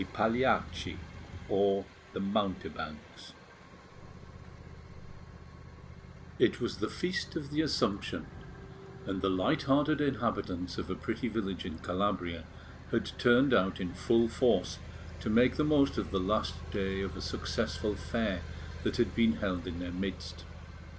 PAGLIACCI (The Mountebanks) It was the Feast of the Assumption, and the light hearted inhabitants of a pretty village in Calabria had turned out in full force to make the most of the last day of a successful fair that had been held in their midst.